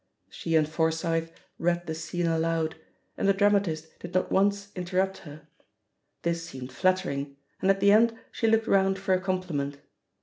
She and Forsyth read the scene aloud^ and the dramatist did not once interrupt her. This seemed flattering, and at the end she looked round for a compliment.